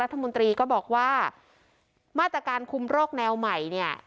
รัฐมนตรีก็บอกว่ามาตรการคุมโรคแนวใหม่เนี่ย